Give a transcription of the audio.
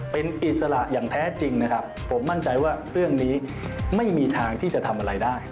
เป็นอิสระอย่างแท้จริงนะครับผมมั่นใจว่าเรื่องนี้ไม่มีทางที่จะทำอะไรได้